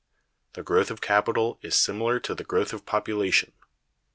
The growth of capital is similar to the growth of population.